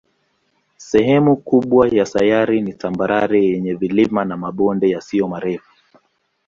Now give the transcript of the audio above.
Sehemu kubwa ya sayari ni tambarare yenye vilima na mabonde yasiyo marefu.